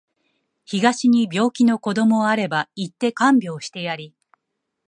東に病気の子どもあれば行って看病してやり